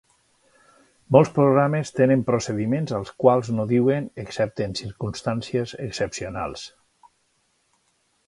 Molts programes tenen procediments als quals no diuen, excepte en circumstàncies excepcionals.